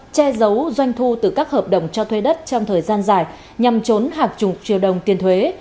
che giấu doanh thu từ các hợp đồng cho thuê đất trong thời gian dài nhằm trốn hạc trục triều đồng tiền thuế